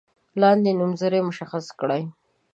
لاندې نومځري مشخص کړئ.